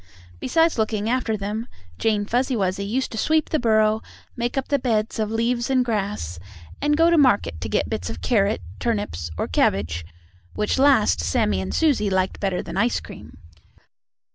Besides looking after them, Jane Fuzzy Wuzzy used to sweep the burrow, make up the beds of leaves and grass, and go to market to get bits of carrots, turnips or cabbage, which last Sammie and Susie liked better than ice cream.